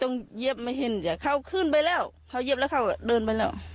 เย็บไม่เห็นจากเขาขึ้นไปแล้วเขาเย็บแล้วเขาเดินไปแล้ว